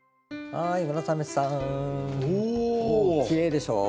きれいでしょう？